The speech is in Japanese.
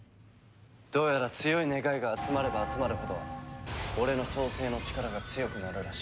どうやら強い願いが集まれば集まるほど俺の創世の力が強くなるらしい。